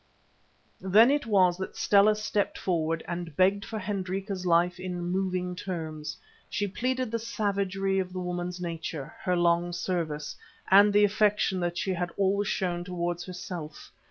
Then it was that Stella stepped forward and begged for Hendrika's life in moving terms. She pleaded the savagery of the woman's nature, her long service, and the affection that she had always shown towards herself.